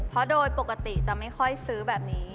เพราะโดยปกติจะไม่ค่อยซื้อแบบนี้